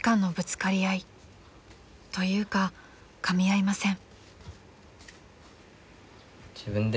［というかかみ合いません］